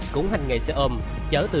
cũng hành nghề xe ôm chở từ